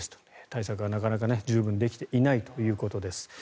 対策がなかなか十分にできていないということです。